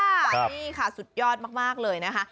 นี่ค่ะสุดยอดมากเลยนะคะ